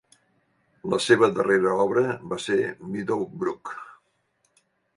La seva darrera obra va ser "Meadow Brook".